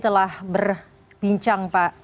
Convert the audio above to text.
telah berbincang pak